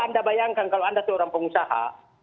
anda bayangkan kalau anda itu orang pengusaha